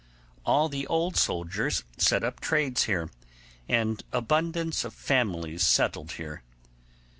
All the old soldiers set up trades here, and abundance of families settled here.